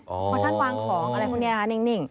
คอชั่นวางของอะไรพวกนี้นะคะนิ่ง